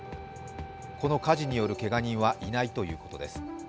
この火事によるけが人はいないということです。